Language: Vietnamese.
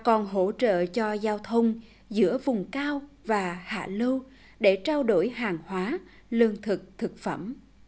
còn hỗ trợ cho giao thông giữa vùng cao và hạ lưu để trao đổi hàng hóa lương thực thực phẩm